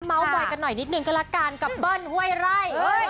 เม้าท์บ่อยกันหน่อยนิดหนึ่งกันละกันกับเบิ้ลหวยไร